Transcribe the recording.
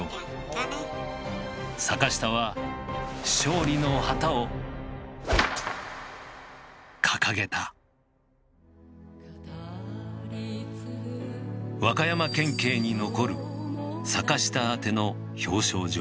坂下は勝利の旗を掲げた和歌山県警に残る坂下宛ての表彰状。